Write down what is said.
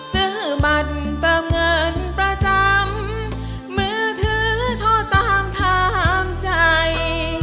ซื้อมันเติมเงินประจำมือถือโทรตามถามใจ